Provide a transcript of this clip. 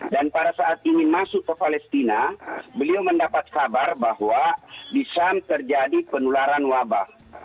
dan pada saat ingin masuk ke palestina beliau mendapat kabar bahwa di syam terjadi penularan wabah